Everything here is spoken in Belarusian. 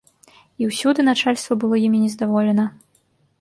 І ўсюды начальства было імі нездаволена.